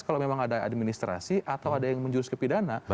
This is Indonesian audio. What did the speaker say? kalau memang ada administrasi atau ada yang menjurus ke pidana